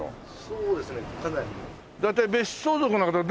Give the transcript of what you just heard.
そうですね。